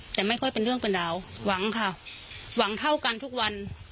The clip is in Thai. แต่ไม่ค่อยเป็นเรื่องเป็นราวหวังค่ะหวังเท่ากันทุกวัน